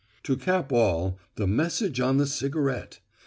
To cap all, the message on the cigarette!